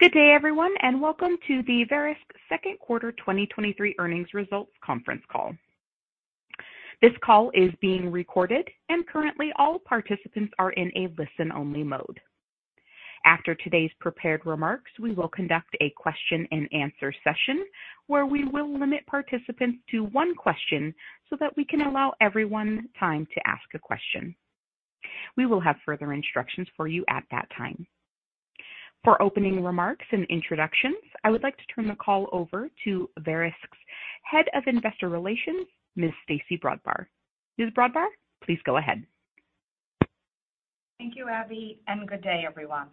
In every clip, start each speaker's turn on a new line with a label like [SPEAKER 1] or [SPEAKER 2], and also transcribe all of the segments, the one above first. [SPEAKER 1] Good day, everyone, and welcome to the Verisk Second Quarter 2023 Earnings Results Conference Call. This call is being recorded and currently all participants are in a listen-only mode. After today's prepared remarks, we will conduct a question-and-answer session where we will limit participants to one question so that we can allow everyone time to ask a question. We will have further instructions for you at that time. For opening remarks and introductions, I would like to turn the call over to Verisk's Head of Investor Relations, Ms. Stacey Brodbar. Ms. Brodbar, please go ahead.
[SPEAKER 2] Thank you, Abby. Good day, everyone.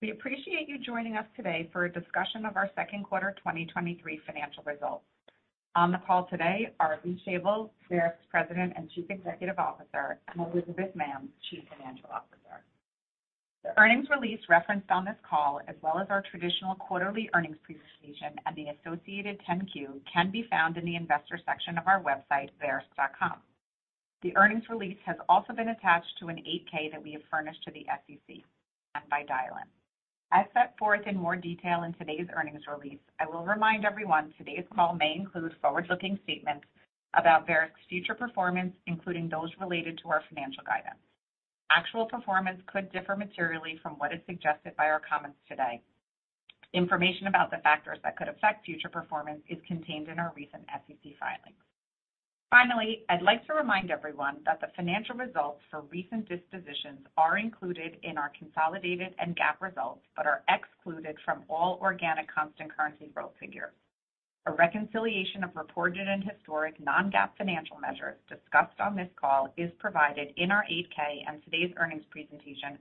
[SPEAKER 2] We appreciate you joining us today for a discussion of our second quarter 2023 financial results. On the call today are Lee Shavel, Verisk's President and Chief Executive Officer, and Elizabeth Mann, Chief Financial Officer. The earnings release referenced on this call, as well as our traditional quarterly earnings presentation and the associated 10-Q, can be found in the investor section of our website, verisk.com. The earnings release has also been attached to an 8-K that we have furnished to the SEC and by dial-in. As set forth in more detail in today's earnings release, I will remind everyone today's call may include forward-looking statements about Verisk's future performance, including those related to our financial guidance. Actual performance could differ materially from what is suggested by our comments today. Information about the factors that could affect future performance is contained in our recent SEC filings. Finally, I'd like to remind everyone that the financial results for recent dispositions are included in our consolidated and GAAP results, but are excluded from all organic constant currency growth figures. A reconciliation of reported and historic non-GAAP financial measures discussed on this call is provided in our 8-K and today's earnings presentation.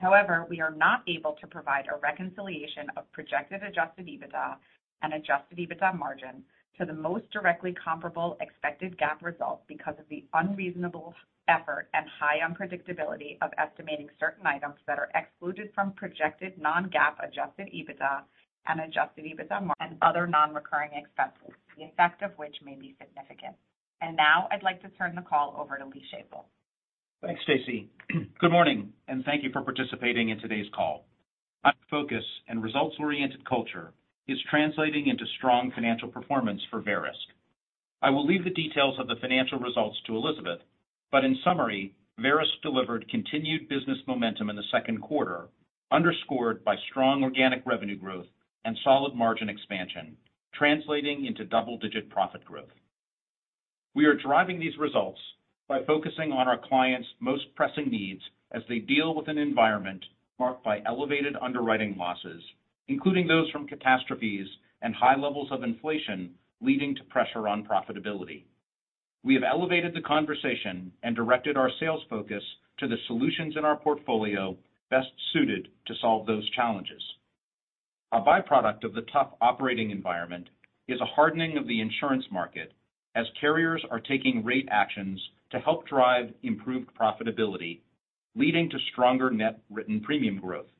[SPEAKER 2] However, we are not able to provide a reconciliation of projected adjusted EBITDA and adjusted EBITDA margin to the most directly comparable expected GAAP results because of the unreasonable effort and high unpredictability of estimating certain items that are excluded from projected non-GAAP, adjusted EBITDA and adjusted EBITDA and other non-recurring expenses, the effect of which may be significant. Now I'd like to turn the call over to Lee Shavel.
[SPEAKER 3] Thanks, Stacy. Good morning, and thank you for participating in today's call. My focus and results-oriented culture is translating into strong financial performance for Verisk. I will leave the details of the financial results to Elizabeth, but in summary, Verisk delivered continued business momentum in the second quarter, underscored by strong organic revenue growth and solid margin expansion, translating into double-digit profit growth. We are driving these results by focusing on our clients' most pressing needs as they deal with an environment marked by elevated underwriting losses, including those from catastrophes and high levels of inflation, leading to pressure on profitability. We have elevated the conversation and directed our sales focus to the solutions in our portfolio best suited to solve those challenges. A by-product of the tough operating environment is a hardening of the insurance market as carriers are taking rate actions to help drive improved profitability, leading to stronger net written premium growth.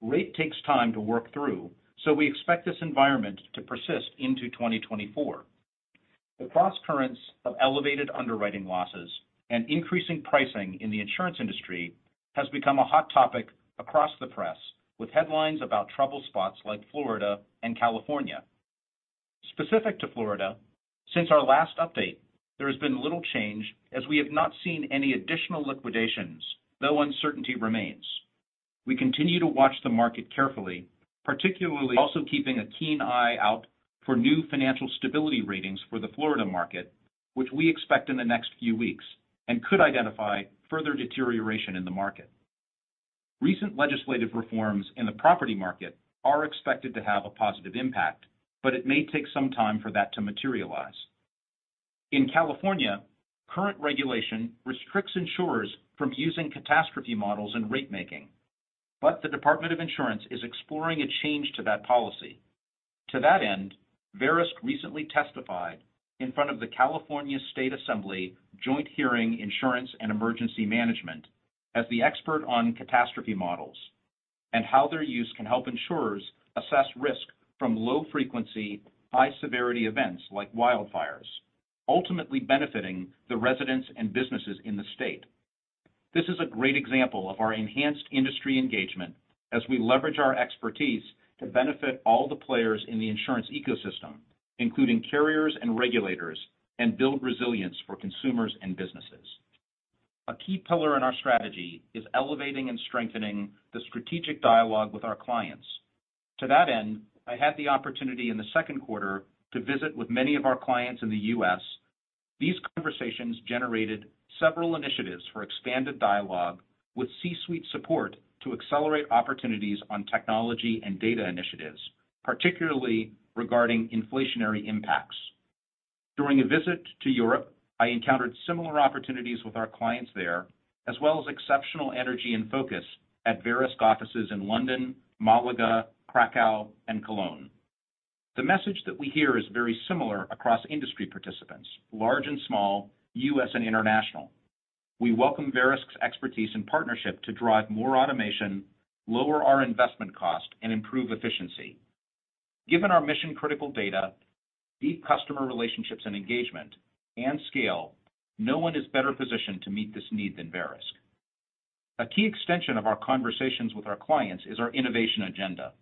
[SPEAKER 3] Rate takes time to work through, so we expect this environment to persist into 2024. The crosscurrents of elevated underwriting losses and increasing pricing in the insurance industry has become a hot topic across the press, with headlines about trouble spots like Florida and California. Specific to Florida, since our last update, there has been little change as we have not seen any additional liquidations, though uncertainty remains. We continue to watch the market carefully, particularly also keeping a keen eye out for new financial stability ratings for the Florida market, which we expect in the next few weeks and could identify further deterioration in the market. Recent legislative reforms in the property market are expected to have a positive impact, but it may take some time for that to materialize. In California, current regulation restricts insurers from using catastrophe models in rate making, but the Department of Insurance is exploring a change to that policy. To that end, Verisk recently testified in front of the California State Assembly Joint Hearing, Insurance and Emergency Management, as the expert on catastrophe models and how their use can help insurers assess risk from low frequency, high severity events like wildfires, ultimately benefiting the residents and businesses in the state. This is a great example of our enhanced industry engagement as we leverage our expertise to benefit all the players in the insurance ecosystem, including carriers and regulators, and build resilience for consumers and businesses. A key pillar in our strategy is elevating and strengthening the strategic dialogue with our clients. To that end, I had the opportunity in the second quarter to visit with many of our clients in the U.S. These conversations generated several initiatives for expanded dialogue with C-suite support to accelerate opportunities on technology and data initiatives, particularly regarding inflationary impacts. During a visit to Europe, I encountered similar opportunities with our clients there, as well as exceptional energy and focus at Verisk offices in London, Malaga, Krakow, and Cologne. The message that we hear is very similar across industry participants, large and small, U.S. and international. We welcome Verisk's expertise and partnership to drive more automation, lower our investment cost, and improve efficiency. Given our mission-critical data, deep customer relationships and engagement, and scale, no one is better positioned to meet this need than Verisk. A key extension of our conversations with our clients is our innovation agenda.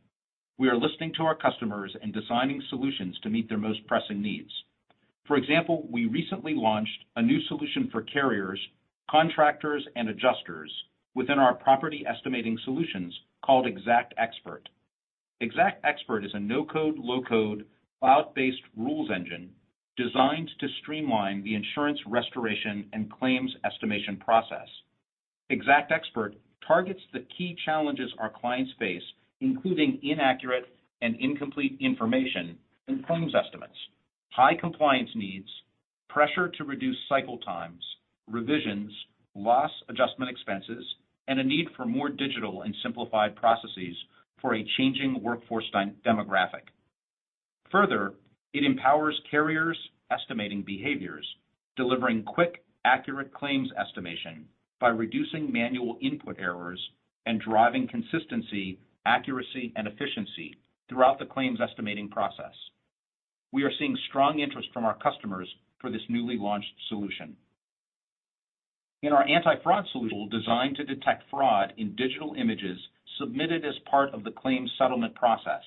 [SPEAKER 3] We are listening to our customers and designing solutions to meet their most pressing needs. For example, we recently launched a new solution for carriers, contractors, and adjusters within our Property Estimating Solutions called XactXpert. XactXpert is a no-code, low-code, cloud-based rules engine designed to streamline the insurance restoration and claims estimation process. XactXpert targets the key challenges our clients face, including inaccurate and incomplete information in claims estimates, high compliance needs, pressure to reduce cycle times, revisions, loss adjustment expenses, and a need for more digital and simplified processes for a changing workforce demographic. Further, it empowers carriers' estimating behaviors, delivering quick, accurate claims estimation by reducing manual input errors and driving consistency, accuracy, and efficiency throughout the claims estimating process. We are seeing strong interest from our customers for this newly launched solution. In our anti-fraud solution, designed to detect fraud in digital images submitted as part of the claims settlement process.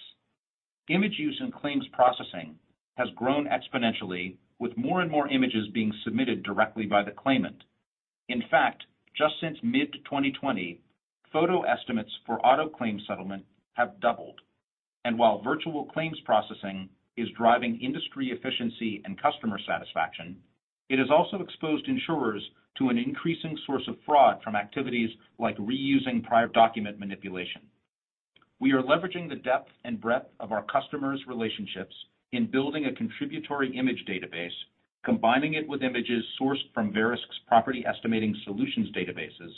[SPEAKER 3] Image use in claims processing has grown exponentially, with more and more images being submitted directly by the claimant. In fact, just since mid-2020, photo estimates for auto claims settlement have doubled. While virtual claims processing is driving industry efficiency and customer satisfaction, it has also exposed insurers to an increasing source of fraud from activities like reusing prior document manipulation. We are leveraging the depth and breadth of our customers' relationships in building a contributory image database, combining it with images sourced from Verisk's Property Estimating Solutions databases,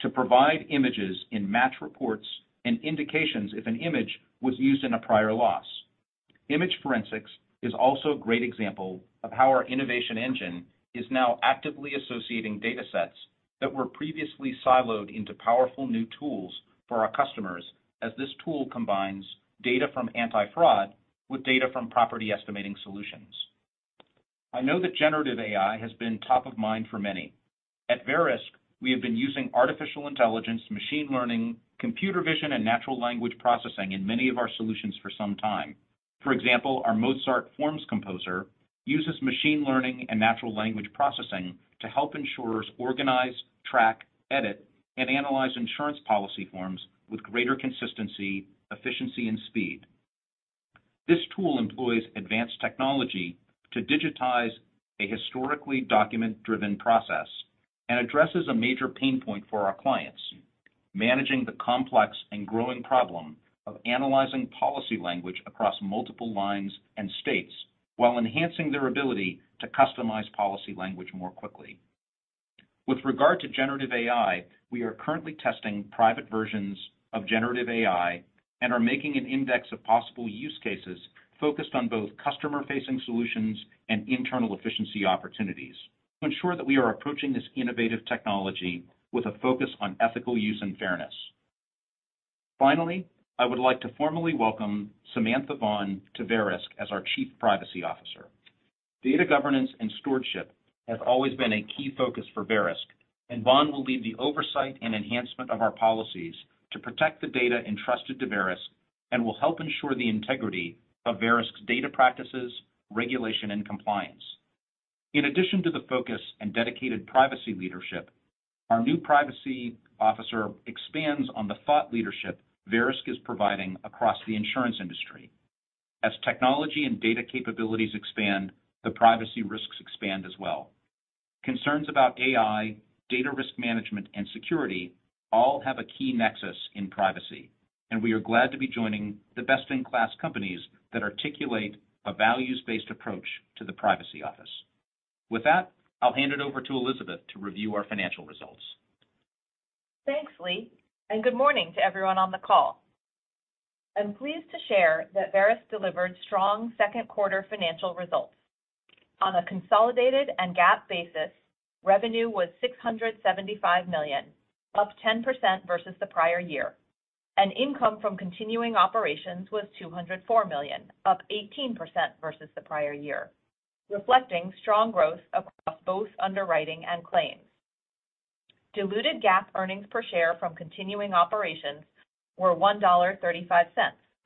[SPEAKER 3] to provide images in match reports and indications if an image was used in a prior loss. Image Forensics is also a great example of how our innovation engine is now actively associating datasets that were previously siloed into powerful new tools for our customers, as this tool combines data from anti-fraud with data from Property Estimating Solutions. I know that generative AI has been top of mind for many. At Verisk, we have been using artificial intelligence, machine learning, computer vision, and natural language processing in many of our solutions for some time. For example, our Mozart Forms Composer uses machine learning and natural language processing to help insurers organize, track, edit, and analyze insurance policy forms with greater consistency, efficiency, and speed. This tool employs advanced technology to digitize a historically document-driven process and addresses a major pain point for our clients: managing the complex and growing problem of analyzing policy language across multiple lines and states, while enhancing their ability to customize policy language more quickly. With regard to generative AI, we are currently testing private versions of generative AI and are making an index of possible use cases focused on both customer-facing solutions and internal efficiency opportunities to ensure that we are approaching this innovative technology with a focus on ethical use and fairness. Finally, I would like to formally welcome Samantha Vaughan to Verisk as our Chief Privacy Officer. Data governance and stewardship have always been a key focus for Verisk. Vaughan will lead the oversight and enhancement of our policies to protect the data entrusted to Verisk and will help ensure the integrity of Verisk's data practices, regulation, and compliance. In addition to the focus and dedicated privacy leadership, our new privacy officer expands on the thought leadership Verisk is providing across the insurance industry. As technology and data capabilities expand, the privacy risks expand as well. Concerns about AI, data risk management, and security all have a key nexus in privacy. We are glad to be joining the best-in-class companies that articulate a values-based approach to the privacy office. With that, I'll hand it over to Elizabeth to review our financial results.
[SPEAKER 4] Thanks, Lee, good morning to everyone on the call. I'm pleased to share that Verisk delivered strong second quarter financial results. On a consolidated and GAAP basis, revenue was $675 million, up 10% versus the prior year. Income from continuing operations was $204 million, up 18% versus the prior year, reflecting strong growth across both underwriting and claims. Diluted GAAP earnings per share from continuing operations were $1.35,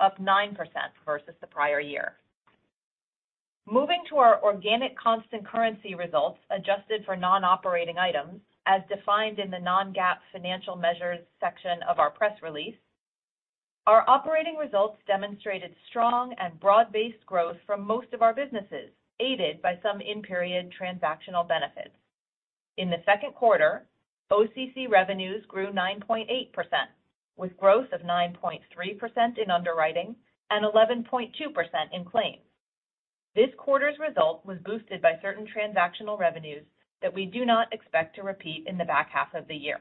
[SPEAKER 4] up 9% versus the prior year. Moving to our organic constant currency results, adjusted for non-operating items, as defined in the non-GAAP financial measures section of our press release, our operating results demonstrated strong and broad-based growth from most of our businesses, aided by some in-period transactional benefits. In the second quarter, OCC revenues grew 9.8%, with growth of 9.3% in underwriting and 11.2% in claims. This quarter's result was boosted by certain transactional revenues that we do not expect to repeat in the back half of the year.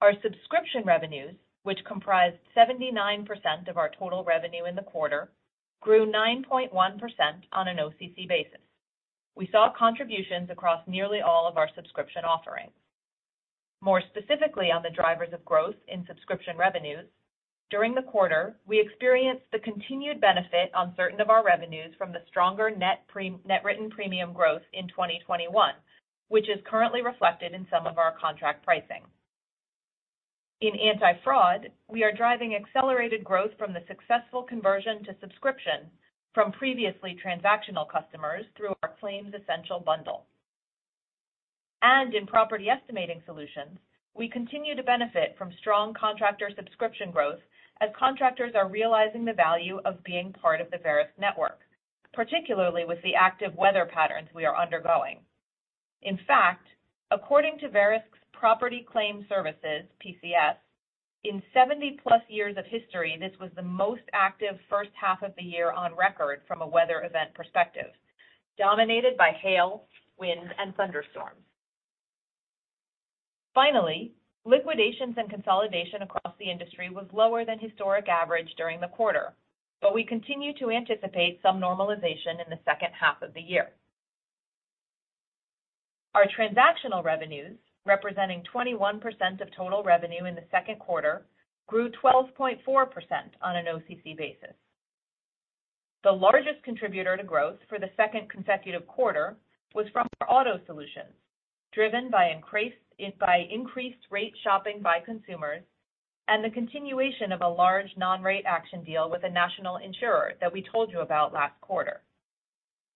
[SPEAKER 4] Our subscription revenues, which comprised 79% of our total revenue in the quarter, grew 9.1% on an OCC basis. We saw contributions across nearly all of our subscription offerings. More specifically on the drivers of growth in subscription revenues, during the quarter, we experienced the continued benefit on certain of our revenues from the stronger net written premium growth in 2021, which is currently reflected in some of our contract pricing. In anti-fraud, we are driving accelerated growth from the successful conversion to subscription from previously transactional customers through our Claims Essential bundle. In Property Estimating Solutions, we continue to benefit from strong contractor subscription growth as contractors are realizing the value of being part of the Verisk network, particularly with the active weather patterns we are undergoing. In fact, according to Verisk's Property Claim Services, PCS, in 70-plus years of history, this was the most active first half of the year on record from a weather event perspective, dominated by hail, wind, and thunderstorms. Finally, liquidations and consolidation across the industry was lower than historic average during the quarter, but we continue to anticipate some normalization in the second half of the year. Our transactional revenues, representing 21% of total revenue in the second quarter, grew 12.4% on an OCC basis. The largest contributor to growth for the second consecutive quarter was from our auto solutions, driven by increased, by increased rate shopping by consumers and the continuation of a large non-rate action deal with a national insurer that we told you about last quarter.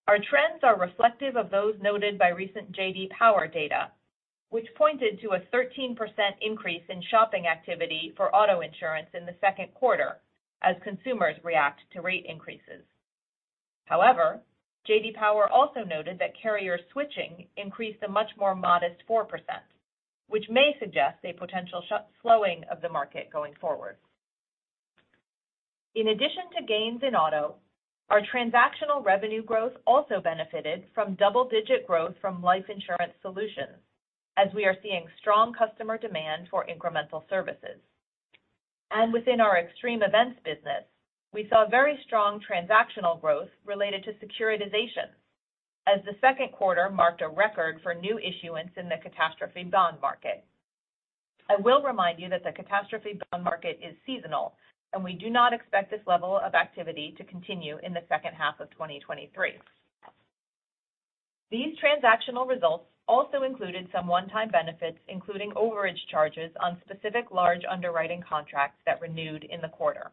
[SPEAKER 4] Our trends are reflective of those noted by recent J.D. Power data, which pointed to a 13% increase in shopping activity for auto insurance in the second quarter as consumers react to rate increases. However, J.D. Power also noted that carrier switching increased a much more modest 4%, which may suggest a potential slowing of the market going forward. In addition to gains in auto, our transactional revenue growth also benefited from double-digit growth from life insurance solutions as we are seeing strong customer demand for incremental services. Within our Extreme Events business, we saw very strong transactional growth related to securitization, as the second quarter marked a record for new issuance in the catastrophe bond market. I will remind you that the catastrophe bond market is seasonal, and we do not expect this level of activity to continue in the second half of 2023. These transactional results also included some one-time benefits, including overage charges on specific large underwriting contracts that renewed in the quarter.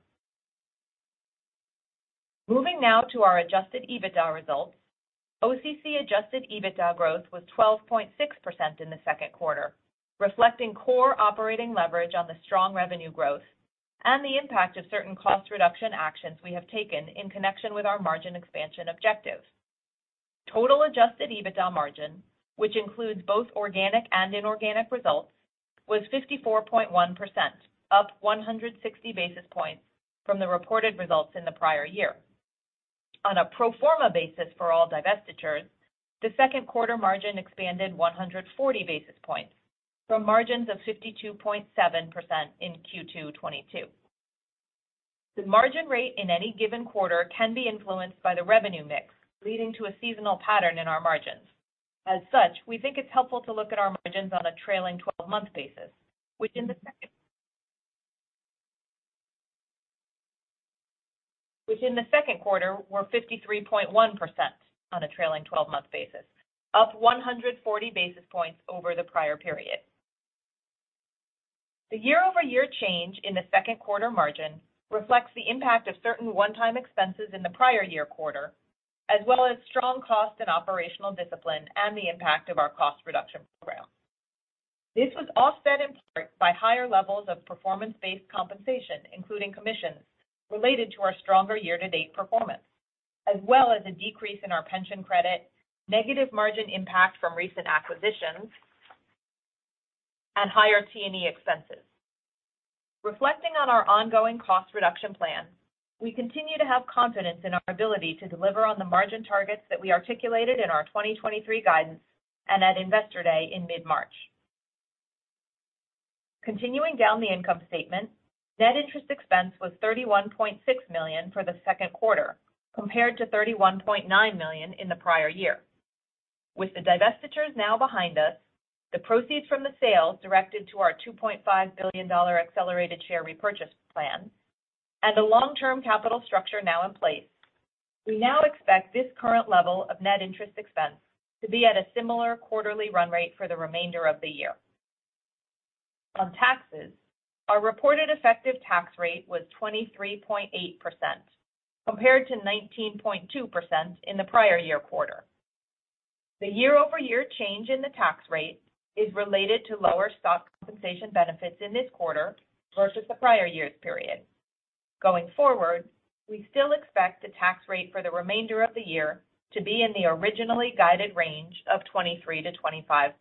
[SPEAKER 4] Moving now to our adjusted EBITDA results. OCC adjusted EBITDA growth was 12.6% in the second quarter, reflecting core operating leverage on the strong revenue growth and the impact of certain cost reduction actions we have taken in connection with our margin expansion objective. Total adjusted EBITDA margin, which includes both organic and inorganic results, was 54.1%, up 160 basis points from the reported results in the prior year. On a pro forma basis for all divestitures, the second quarter margin expanded 140 basis points from margins of 52.7% in Q2 2022. The margin rate in any given quarter can be influenced by the revenue mix, leading to a seasonal pattern in our margins. As such, we think it's helpful to look at our margins on a trailing twelve-month basis, which in the second quarter were 53.1% on a trailing twelve-month basis, up 140 basis points over the prior period. The year-over-year change in the second quarter margin reflects the impact of certain one-time expenses in the prior year quarter, as well as strong cost and operational discipline and the impact of our cost reduction program. This was offset in part by higher levels of performance-based compensation, including commissions, related to our stronger year-to-date performance, as well as a decrease in our pension credit, negative margin impact from recent acquisitions, and higher T&E expenses. Reflecting on our ongoing cost reduction plan, we continue to have confidence in our ability to deliver on the margin targets that we articulated in our 2023 guidance and at Investor Day in mid-March. Continuing down the income statement, net interest expense was $31.6 million for the second quarter, compared to $31.9 million in the prior year. With the divestitures now behind us, the proceeds from the sale directed to our $2.5 billion accelerated share repurchase plan and the long-term capital structure now in place, we now expect this current level of net interest expense to be at a similar quarterly run rate for the remainder of the year. On taxes, our reported effective tax rate was 23.8%, compared to 19.2% in the prior year quarter. The year-over-year change in the tax rate is related to lower stock compensation benefits in this quarter versus the prior year's period. Going forward, we still expect the tax rate for the remainder of the year to be in the originally guided range of 23%-25%.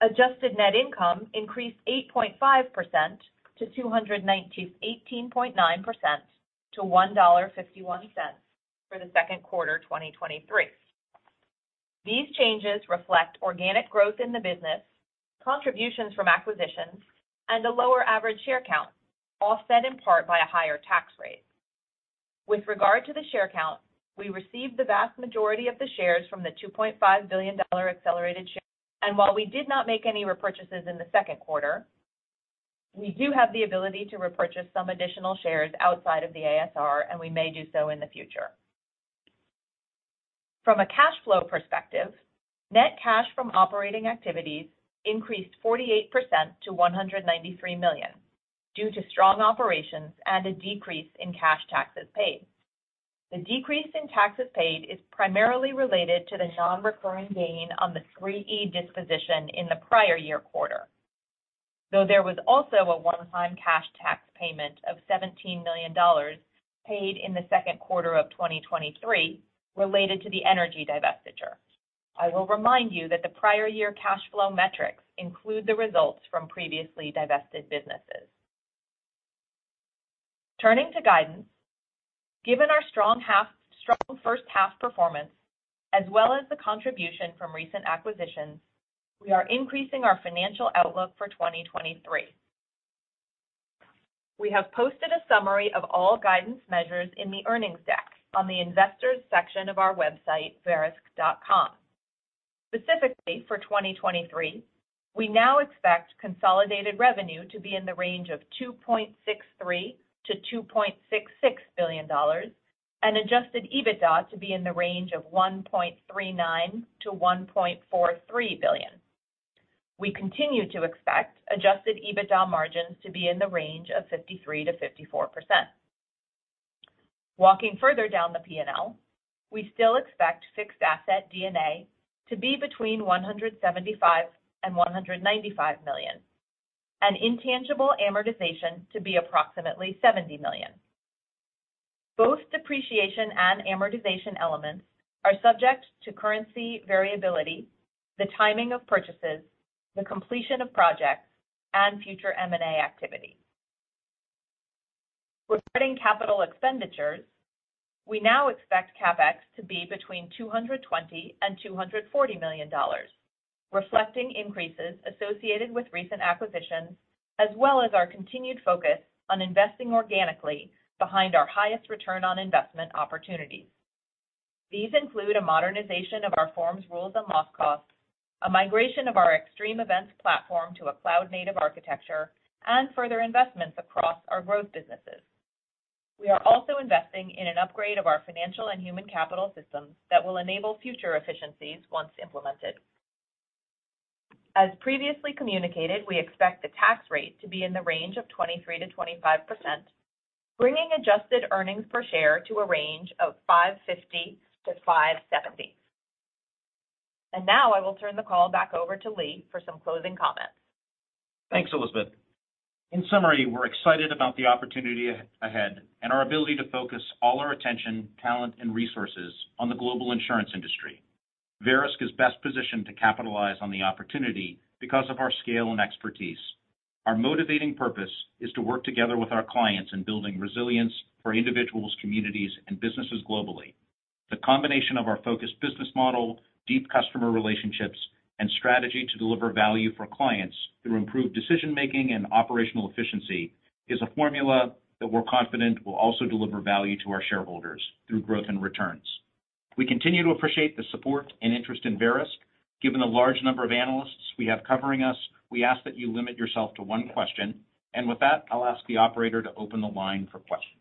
[SPEAKER 4] Adjusted net income increased 18.9% to $1.51 for the second quarter of 2023. These changes reflect organic growth in the business, contributions from acquisitions, and a lower average share count, offset in part by a higher tax rate. With regard to the share count, we received the vast majority of the shares from the $2.5 billion accelerated share. While we did not make any repurchases in the second quarter, we do have the ability to repurchase some additional shares outside of the ASR, and we may do so in the future. From a cash flow perspective, net cash from operating activities increased 48% to $193 million due to strong operations and a decrease in cash taxes paid. The decrease in taxes paid is primarily related to the non-recurring gain on the 3E disposition in the prior year quarter, though there was also a one-time cash tax payment of $17 million paid in the 2nd quarter of 2023 related to the energy divestiture. I will remind you that the prior year cash flow metrics include the results from previously divested businesses. Turning to guidance, given our strong 1st half performance, as well as the contribution from recent acquisitions, we are increasing our financial outlook for 2023. We have posted a summary of all guidance measures in the earnings deck on the investors section of our website, verisk.com. Specifically, for 2023, we now expect consolidated revenue to be in the range of $2.63 billion-$2.66 billion, and adjusted EBITDA to be in the range of $1.39 billion-$1.43 billion. We continue to expect adjusted EBITDA margins to be in the range of 53%-54%. Walking further down the P&L, we still expect fixed asset D&A to be between $175 million and $195 million, and intangible amortization to be approximately $70 million. Both depreciation and amortization elements are subject to currency variability, the timing of purchases, the completion of projects, and future M&A activity. Regarding capital expenditures, we now expect CapEx to be between $220 million and $240 million, reflecting increases associated with recent acquisitions, as well as our continued focus on investing organically behind our highest return on investment opportunities. These include a modernization of our Forms, Rules, and Loss Costs, a migration of our extreme events platform to a cloud-native architecture, and further investments across our growth businesses. We are also investing in an upgrade of our financial and human capital systems that will enable future efficiencies once implemented. As previously communicated, we expect the tax rate to be in the range of 23%-25%, bringing adjusted earnings per share to a range of $5.50 to $5.70. Now I will turn the call back over to Lee for some closing comments.
[SPEAKER 3] Thanks, Elizabeth. In summary, we're excited about the opportunity ahead and our ability to focus all our attention, talent, and resources on the global insurance industry. Verisk is best positioned to capitalize on the opportunity because of our scale and expertise. Our motivating purpose is to work together with our clients in building resilience for individuals, communities, and businesses globally. The combination of our focused business model, deep customer relationships, and strategy to deliver value for clients through improved decision making and operational efficiency is a formula that we're confident will also deliver value to our shareholders through growth and returns. We continue to appreciate the support and interest in Verisk. Given the large number of analysts we have covering us, we ask that you limit yourself to one question. With that, I'll ask the operator to open the line for questions.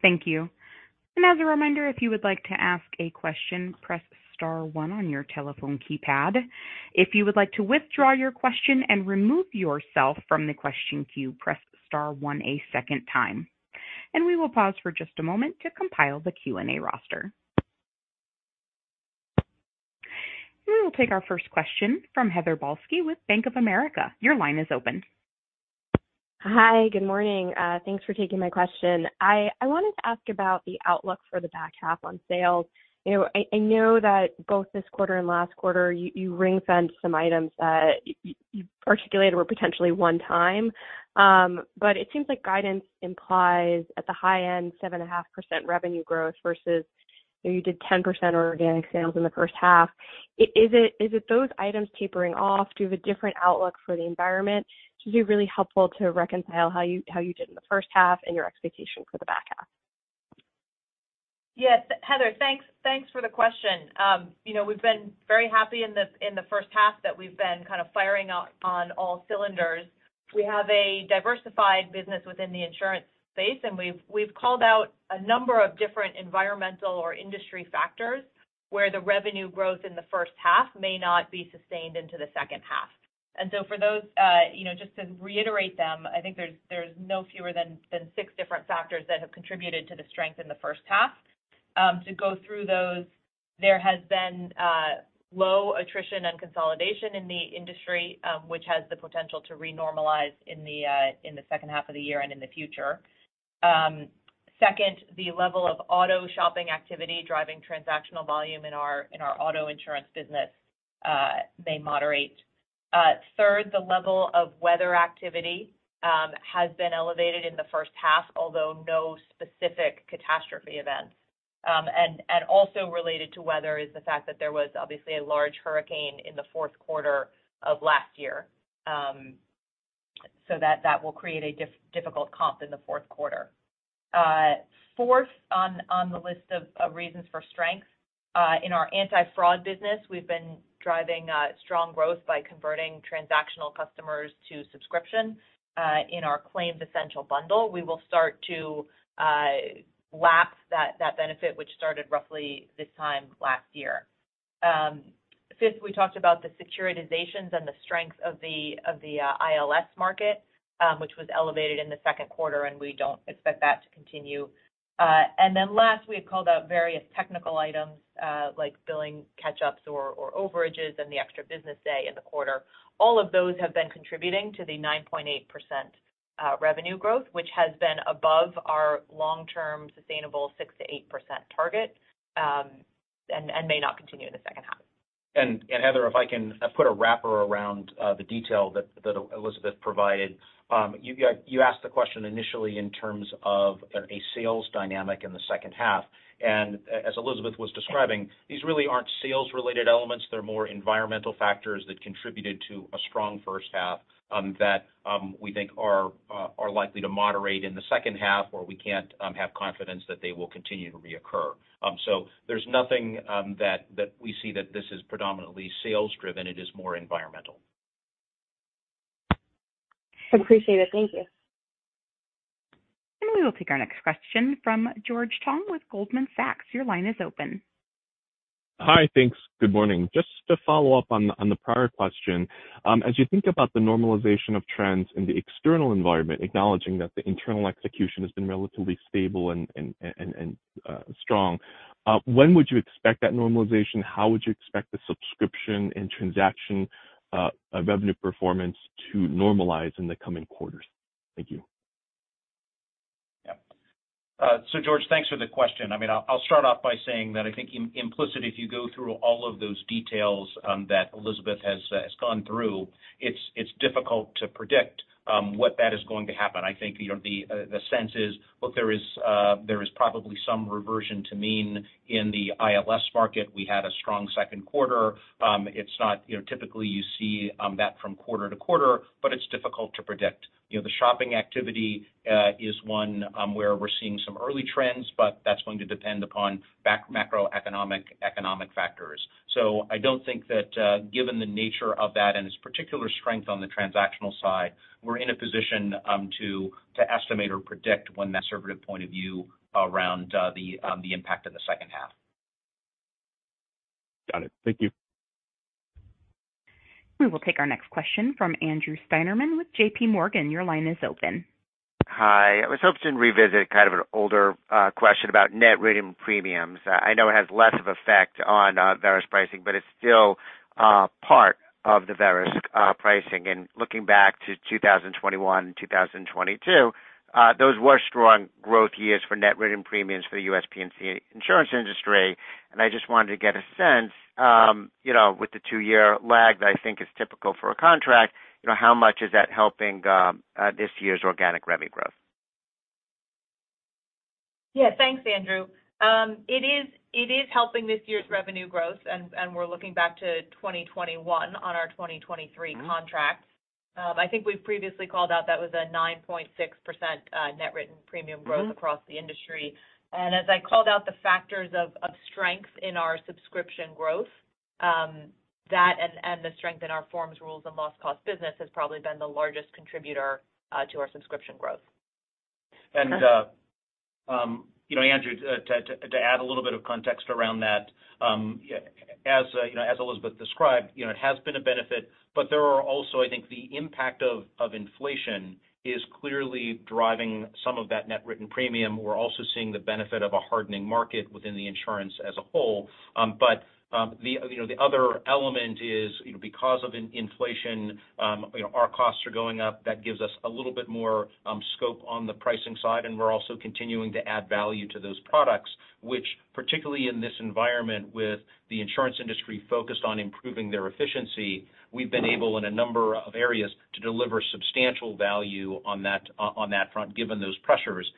[SPEAKER 1] Thank you. As a reminder, if you would like to ask a question, press star one on your telephone keypad. If you would like to withdraw your question and remove yourself from the question queue, press star one a second time. We will pause for just a moment to compile the Q&A roster. We will take our first question from Heather Balsky with Bank of America. Your line is open.
[SPEAKER 5] Hi, good morning. Thanks for taking my question. I wanted to ask about the outlook for the back half on sales. You know, I know that both this quarter and last quarter, you ring-fenced some items that you articulated were potentially one time, but it seems like guidance implies at the high end, 7.5% revenue growth versus, you know, you did 10% organic sales in the first half. Is it those items tapering off? Do you have a different outlook for the environment? It's just be really helpful to reconcile how you did in the first half and your expectation for the back half.
[SPEAKER 4] Yes, Heather, thanks, thanks for the question. You know, we've been very happy in the first half that we've been kind of firing on, on all cylinders. We have a diversified business within the insurance space, we've, we've called out a number of different environmental or industry factors where the revenue growth in the first half may not be sustained into the second half. For those, you know, just to reiterate them, I think there's, there's no fewer than, than six different factors that have contributed to the strength in the first half. To go through those, there has been low attrition and consolidation in the industry, which has the potential to renormalize in the second half of the year and in the future. 2nd, the level of auto shopping activity, driving transactional volume in our, in our auto insurance business, may moderate. 3rd, the level of weather activity, has been elevated in the 1st half, although no specific catastrophe events. Also related to weather is the fact that there was obviously a large hurricane in the 4th quarter of last year, so that, that will create a difficult comp in the 4th quarter. 4th, on, on the list of, of reasons for strength, in our anti-fraud business, we've been driving, strong growth by converting transactional customers to subscription. In our Claims Essential bundle, we will start to, lapse that, that benefit, which started roughly this time last year. Fifth, we talked about the securitizations and the strength of the ILS market, which was elevated in the second quarter, and we don't expect that to continue. Last, we had called out various technical items, like billing catch-ups or overages and the extra business day in the quarter. All of those have been contributing to the 9.8% revenue growth, which has been above our long-term sustainable 6%-8% target, and may not continue in the second half.
[SPEAKER 3] Heather, if I can, I'll put a wrapper around the detail that Elizabeth provided. You, you asked the question initially in terms of a sales dynamic in the second half. As Elizabeth was describing, these really aren't sales-related elements. They're more environmental factors that contributed to a strong first half, that we think are likely to moderate in the second half, or we can't have confidence that they will continue to reoccur. So there's nothing that we see that this is predominantly sales driven. It is more environmental.
[SPEAKER 5] I appreciate it. Thank you.
[SPEAKER 1] We will take our next question from George Tong with Goldman Sachs. Your line is open.
[SPEAKER 6] Hi, thanks. Good morning. Just to follow up on the, on the prior question, as you think about the normalization of trends in the external environment, acknowledging that the internal execution has been relatively stable and, and, and, and, strong, when would you expect that normalization? How would you expect the subscription and transaction, revenue performance to normalize in the coming quarters? Thank you.
[SPEAKER 3] Yeah. George, thanks for the question. I mean, I'll, I'll start off by saying that I think implicit, if you go through all of those details that Elizabeth has gone through, it's difficult to predict what that is going to happen. I think, you know, the sense is, look, there is probably some reversion to mean in the ILS market. We had a strong second quarter. It's not, you know, typically you see that from quarter to quarter, but it's difficult to predict. You know, the shopping activity is one where we're seeing some early trends, but that's going to depend upon macroeconomic economic factors. I don't think that, given the nature of that and its particular strength on the transactional side, we're in a position to, to estimate or predict when that conservative point of view around the, the impact of the second half.
[SPEAKER 6] Got it. Thank you.
[SPEAKER 1] We will take our next question from Andrew Steinerman with JP Morgan. Your line is open.
[SPEAKER 7] Hi. I was hoping to revisit kind of an older question about net written premiums. I know it has less of effect on Verisk pricing, but it's still part of the Verisk pricing. Looking back to 2021 and 2022, those were strong growth years for net written premiums for the US P&C insurance industry. I just wanted to get a sense, you know, with the 2-year lag that I think is typical for a contract, you know, how much is that helping this year's organic revenue growth?
[SPEAKER 4] Yeah. Thanks, Andrew. It is, it is helping this year's revenue growth, and, and we're looking back to 2021 on our 2023 contract. I think we've previously called out that was a 9.6% net written premium growth across the industry. As I called out, the factors of, of strength in our subscription growth, that and, and the strength in our Forms, Rules, and Loss Costs business has probably been the largest contributor to our subscription growth.
[SPEAKER 3] You know, Andrew, to, to, to add a little bit of context around that, yeah, as, you know, as Elizabeth described, you know, it has been a benefit, but there are also, I think, the impact of, of inflation is clearly driving some of that net written premium. We're also seeing the benefit of a hardening market within the insurance as a whole. The, you know, the other element is, you know, because of inflation, you know, our costs are going up, that gives us a little bit more, scope on the pricing side, and we're also continuing to add value to those products, which particularly in this environment, with the insurance industry focused on improving their efficiency, we've been able, in a number of areas, to deliver substantial value on that, on that front, given those pressures.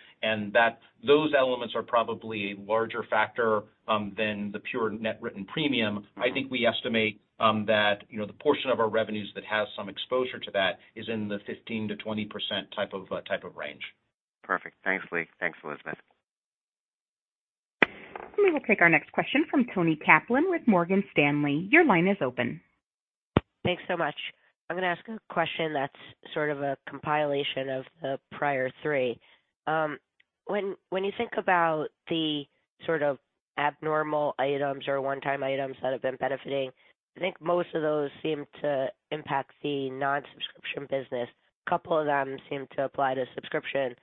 [SPEAKER 3] Those elements are probably a larger factor than the pure net written premium. I think we estimate that, you know, the portion of our revenues that has some exposure to that is in the 15%-20% type of range.
[SPEAKER 7] Perfect. Thanks, Lee. Thanks, Elizabeth.
[SPEAKER 1] We will take our next question from Toni Kaplan with Morgan Stanley. Your line is open.
[SPEAKER 8] Thanks so much. I'm going to ask a question that's sort of a compilation of the prior three. When, when you think about the sort of abnormal items or one-time items that have been benefiting, I think most of those seem to impact the non-subscription business. A couple of them seem to apply to subscription.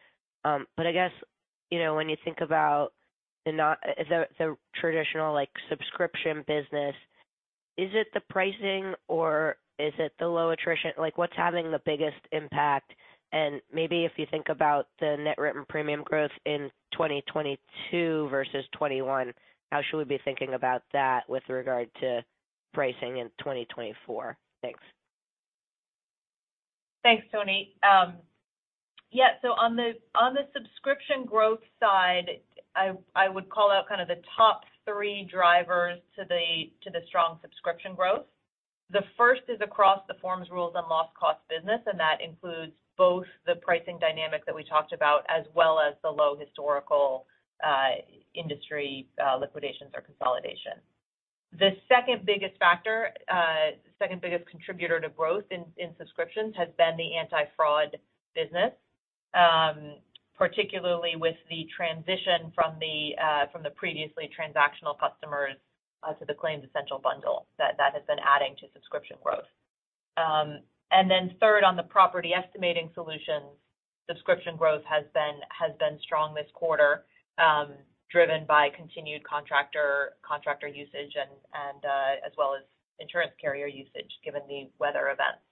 [SPEAKER 8] I guess, you know, when you think about the traditional, like, subscription business, is it the pricing or is it the low attrition? Like, what's having the biggest impact? Maybe if you think about the net written premium growth in 2022 versus 2021, how should we be thinking about that with regard to pricing in 2024? Thanks.
[SPEAKER 4] Thanks, Toni. On the, on the subscription growth side, I, I would call out kind of the top three drivers to the, to the strong subscription growth. The first is across the Forms, Rules, and Loss Costs business, and that includes both the pricing dynamic that we talked about, as well as the low historical, industry, liquidations or consolidation. The second biggest factor, second biggest contributor to growth in, in subscriptions has been the anti-fraud business, particularly with the transition from the, from the previously transactional customers, to the Claims Essential bundle, that, that has been adding to subscription growth. Then third, on the Property Estimating Solutions, subscription growth has been, has been strong this quarter, driven by continued contractor, contractor usage and, and, as well as insurance carrier usage, given the weather events.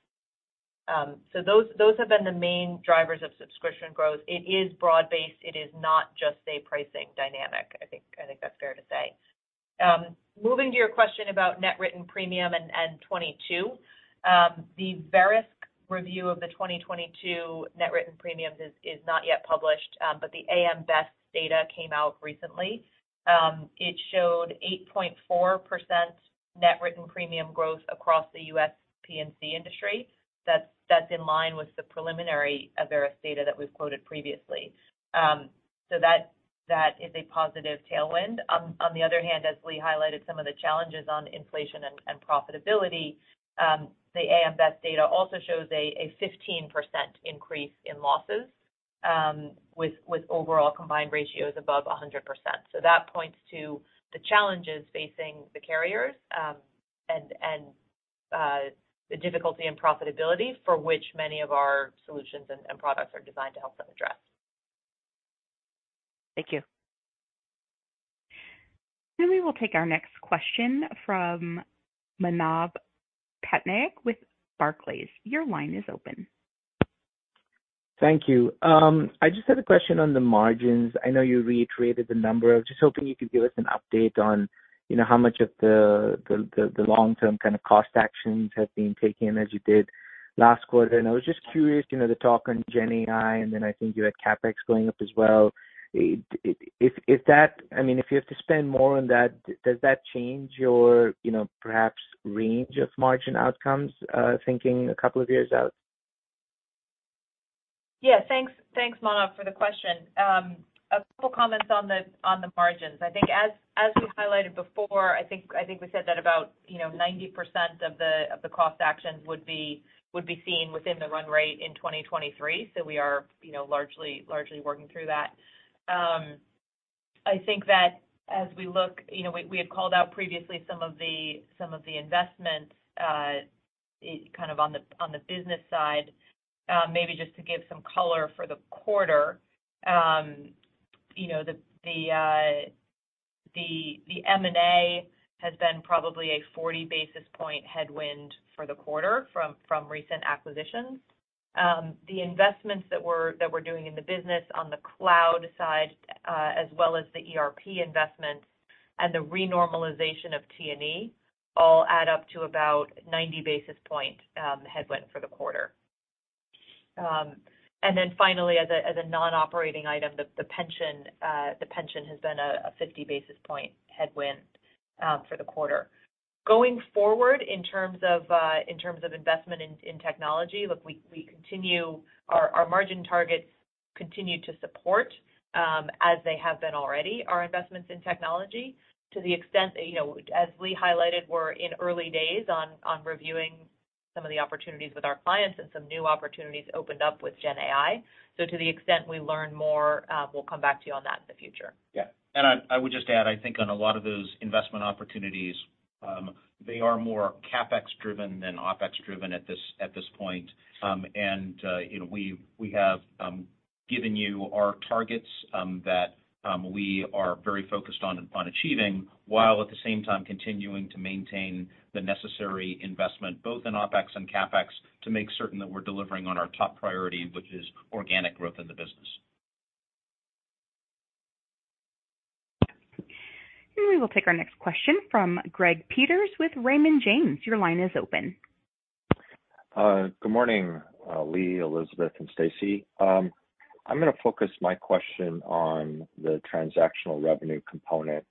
[SPEAKER 4] Those, those have been the main drivers of subscription growth. It is broad-based. It is not just a pricing dynamic. I think, I think that's fair to say. Moving to your question about net written premium and 2022. The Verisk review of the 2022 net written premiums is, is not yet published, the AM Best data came out recently. It showed 8.4% net written premium growth across the US P&C industry. That's, that's in line with the preliminary Verisk data that we've quoted previously. That, that is a positive tailwind. On, on the other hand, as Lee highlighted some of the challenges on inflation and, and profitability, the AM Best data also shows a, a 15% increase in losses, with, with overall combined ratio above 100%. That points to the challenges facing the carriers, and, and, the difficulty in profitability for which many of our solutions and, and products are designed to help them address.
[SPEAKER 1] Thank you. We will take our next question from Manav Patnaik with Barclays. Your line is open.
[SPEAKER 9] Thank you. I just had a question on the margins. I know you reiterated the number. I was just hoping you could give us an update on, you know, how much of the long-term kind of cost actions have been taken as you did last quarter. I was just curious, you know, the talk on GenAI, and then I think you had CapEx going up as well. If that-- I mean, if you have to spend more on that, does that change your, you know, perhaps range of margin outcomes, thinking a couple of years out?
[SPEAKER 4] Yeah, thanks. Thanks, Manav, for the question. A couple of comments on the, on the margins. I think as, as we highlighted before, I think, I think we said that about, you know, 90% of the, of the cost actions would be, would be seen within the run rate in 2023. We are, you know, largely, largely working through that. I think that as we look, you know, we, we had called out previously some of the, some of the investments, kind of on the, on the business side, maybe just to give some color for the quarter. You know, the, the, the M&A has been probably a 40 basis point headwind for the quarter from, from recent acquisitions. The investments that we're doing in the business on the cloud side, as well as the ERP investments and the renormalization of T&E, all add up to about 90 basis point headwind for the quarter. Finally, as a non-operating item, the pension has been a 50 basis point headwind for the quarter. Going forward, in terms of investment in technology, look, we continue. Our margin targets continue to support, as they have been already, our investments in technology. To the extent, you know, as Lee highlighted, we're in early days on reviewing some of the opportunities with our clients, and some new opportunities opened up with GenAI. To the extent we learn more, we'll come back to you on that in the future.
[SPEAKER 3] Yeah. I, I would just add, I think on a lot of those investment opportunities, they are more CapEx driven than OpEx driven at this, at this point. you know, we, we have given you our targets that we are very focused on achieving, while at the same time continuing to maintain the necessary investment, both in OpEx and CapEx, to make certain that we're delivering on our top priority, which is organic growth in the business.
[SPEAKER 1] We will take our next question from Greg Peters with Raymond James. Your line is open.
[SPEAKER 10] Good morning, Lee, Elizabeth, and Stacy. I'm going to focus my question on the transactional revenue component.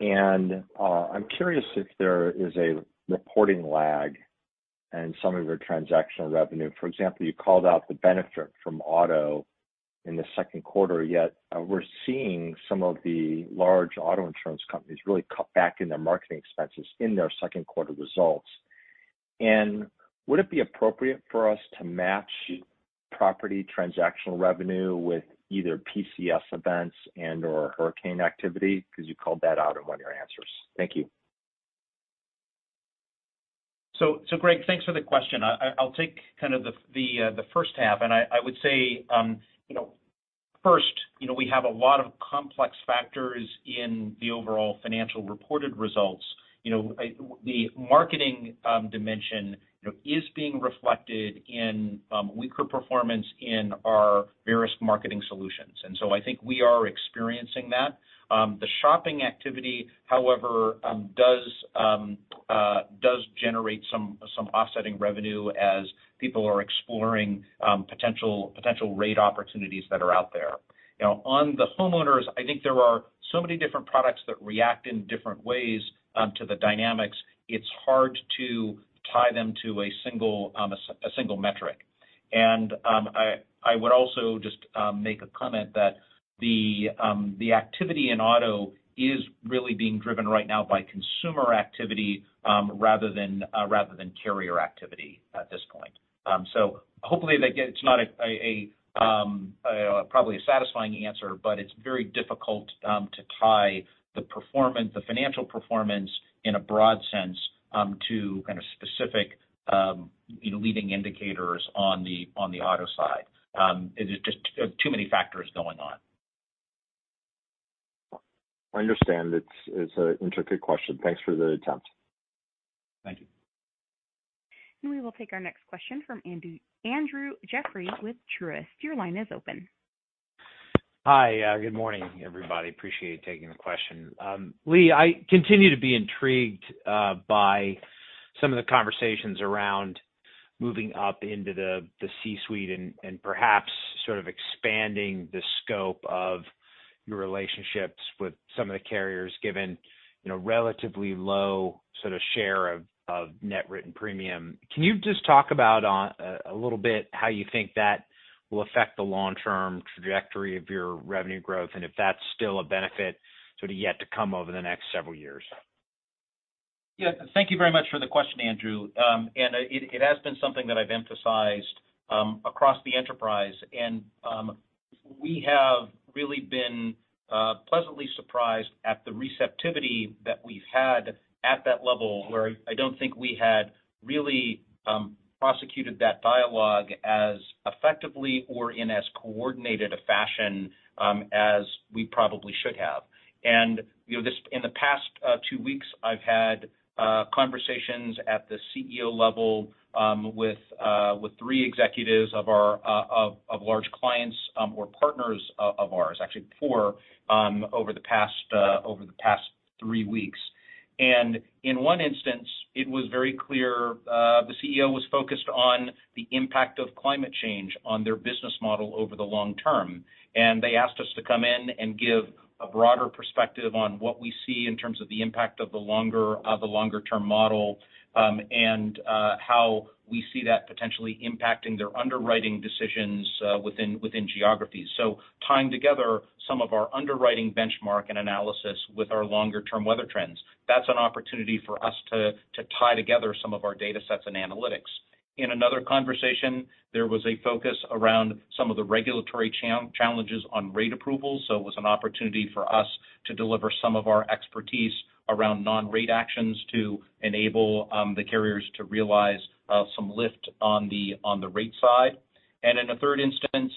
[SPEAKER 10] I'm curious if there is a reporting lag in some of your transactional revenue. For example, you called out the benefit from auto in the second quarter, yet we're seeing some of the large auto insurance companies really cut back in their marketing expenses in their second quarter results. Would it be appropriate for us to match property transactional revenue with either PCS events and/or hurricane activity? Because you called that out in one of your answers. Thank you.
[SPEAKER 3] Greg, thanks for the question. I, I'll take kind of the, the first half, and I, I would say, you know, first, you know, we have a lot of complex factors in the overall financial reported results. You know, I... The marketing dimension, you know, is being reflected in weaker performance in our Verisk Marketing Solutions. I think we are experiencing that. The shopping activity, however, does generate some, some offsetting revenue as people are exploring potential, potential rate opportunities that are out there. You know, on the homeowners, I think there are so many different products that react in different ways to the dynamics. It's hard to tie them to a single, a single metric. I, I would also just make a comment that the activity in auto is really being driven right now by consumer activity, rather than rather than carrier activity at this point. Hopefully, it's not a, a, probably a satisfying answer, but it's very difficult to tie the performance, the financial performance in a broad sense, to kind of specific, you know, leading indicators on the auto side. It is just too many factors going on.
[SPEAKER 10] I understand. It's, it's an intricate question. Thanks for the attempt.
[SPEAKER 3] Thank you.
[SPEAKER 1] We will take our next question from Andrew Jeffrey with Truist. Your line is open.
[SPEAKER 11] Hi, good morning, everybody. Appreciate you taking the question. Lee, I continue to be intrigued by some of the conversations around moving up into the C-suite and perhaps sort of expanding the scope of your relationships with some of the carriers, given, you know, relatively low sort of share of net written premium. Can you just talk about on a little bit how you think that will affect the long-term trajectory of your revenue growth, and if that's still a benefit, sort of yet to come over the next several years?
[SPEAKER 3] Yeah. Thank you very much for the question, Andrew. It has been something that I've emphasized across the enterprise, we have really been pleasantly surprised at the receptivity that we've had at that level, where I don't think we had really prosecuted that dialogue as effectively or in as coordinated a fashion as we probably should have. You know, this in the past 2 weeks, I've had conversations at the CEO level with 3 executives of our large clients, or partners of ours, actually 4, over the past over the past 3 weeks. In one instance, it was very clear, the CEO was focused on the impact of climate change on their business model over the long term. They asked us to come in and give a broader perspective on what we see in terms of the impact of the longer, the longer-term model, and how we see that potentially impacting their underwriting decisions within, within geographies. Tying together some of our underwriting benchmark and analysis with our longer-term weather trends, that's an opportunity for us to tie together some of our data sets and analytics. In another conversation, there was a focus around some of the regulatory challenges on rate approvals. It was an opportunity for us to deliver some of our expertise around non-rate actions to enable the carriers to realize some lift on the, on the rate side. In a third instance,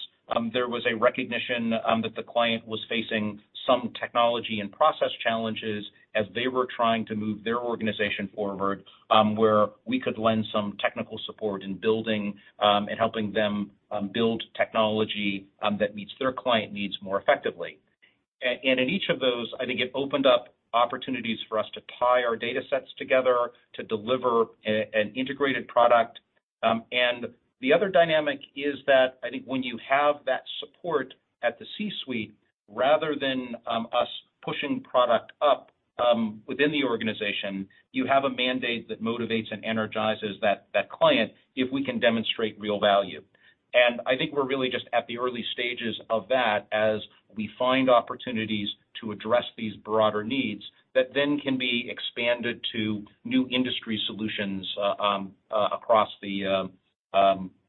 [SPEAKER 3] there was a recognition that the client was facing some technology and process challenges as they were trying to move their organization forward, where we could lend some technical support in building and helping them build technology that meets their client needs more effectively. In each of those, I think it opened up opportunities for us to tie our data sets together to deliver an integrated product. The other dynamic is that I think when you have that support at the C-suite, rather than us pushing product up within the organization, you have a mandate that motivates and energizes that, that client if we can demonstrate real value. I think we're really just at the early stages of that as we find opportunities to address these broader needs that then can be expanded to new industry solutions across the